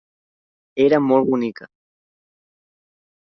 Era molt bonica.